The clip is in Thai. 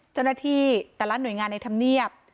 เจ้าหน้าที่แต่ละหน่วยงานในธรรมเนียบ